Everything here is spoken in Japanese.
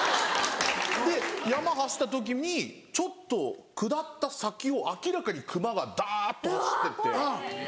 で山走った時にちょっと下った先を明らかに熊がダっと走ってって。